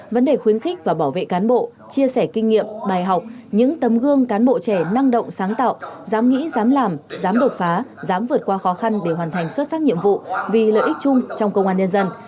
vấn đề khuyến khích và bảo vệ cán bộ chia sẻ kinh nghiệm bài học những tấm gương cán bộ trẻ năng động sáng tạo dám nghĩ dám làm dám đột phá dám vượt qua khó khăn để hoàn thành xuất sắc nhiệm vụ vì lợi ích chung trong công an nhân dân